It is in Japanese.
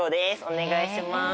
お願いします